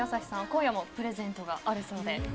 今夜もプレゼントがあるそうで。